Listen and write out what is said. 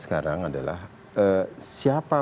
sekarang adalah siapa